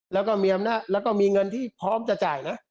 แล้วก็มีเงินที่พร้อมจะจ่ายนะ